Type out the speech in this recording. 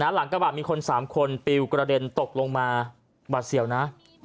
หลังกระบะมีคน๓คนปิวกระเด็นตกลงมาหวัดเสี่ยวนะ